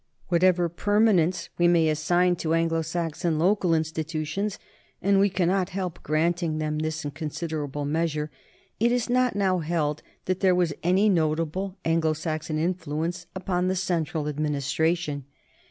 Whatever per manence we may assign to Anglo Saxon local institu tions, and we cannot help granting them this in con siderable measure, it is not now held that there was any notable Anglo Saxon influence upon the central ad ministration.